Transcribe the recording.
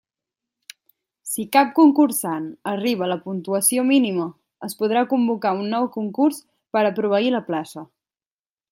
Si cap concursant arriba a la puntuació mínima, es podrà convocar un nou concurs per a proveir la plaça.